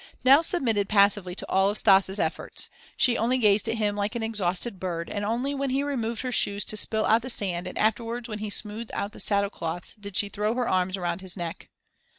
Nell submitted passively to all of Stas' efforts; she only gazed at him like an exhausted bird, and only when he removed her shoes to spill out the sand and afterwards when he smoothed out the saddle cloths did she throw her arms around his neck.